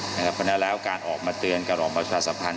เพราะฉะนั้นแล้วการออกมาเตือนการออกประชาสัมพันธ